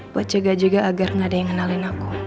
buat jaga jaga agar gak ada yang ngenalin aku